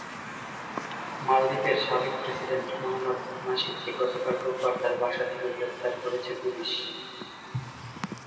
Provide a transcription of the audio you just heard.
মালদ্বীপের সাবেক প্রেসিডেন্ট মোহাম্মদ নাশিদকে গতকাল রোববার তাঁর বাসা থেকে গ্রেপ্তার করেছে পুলিশ।